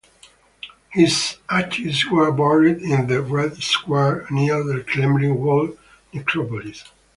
His ashes were buried in the Red Square near the Kremlin Wall Necropolis.